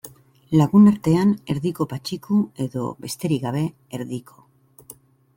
Lagunartean, Erdiko Patxiku edo, besterik gabe, Erdiko.